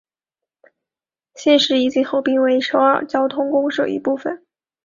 现时已经合并为首尔交通公社一部分。